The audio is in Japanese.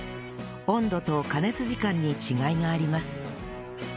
温度と加熱時間に違いがあります